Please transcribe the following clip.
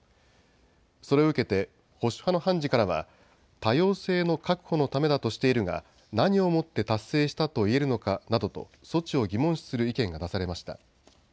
それを受けて保守派の判事からは多様性の確保のためだとしているが何をもって達成したと言えるのかなどと措置を疑問視する意見が出されました。